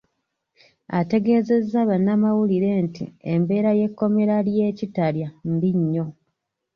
Ategeezezza bannamawulire nti embeera y’ekkomera ly’e Kitalya mbi nnyo.